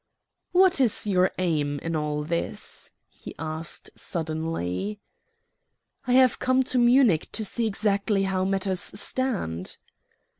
"What is your aim in all this?" he asked suddenly. "I have come to Munich to see exactly how matters stand."